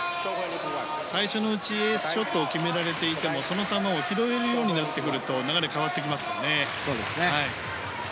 最初のうちエースショットを決められていてもその球を拾えるようになってくるとそうですね。